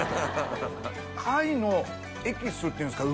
貝のエキスっていうんですか